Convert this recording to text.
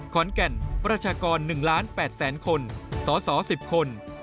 ขอนแก่นประชากร๑๘๐๐๐๐๐คนศศ๑๐คน